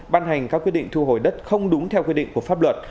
ban hành các quyết định thu hồi đất không đúng theo quy định của pháp luật